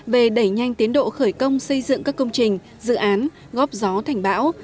về đẩy nhanh tiến độ khởi công xây dựng các công trình dự án góp gió thành bão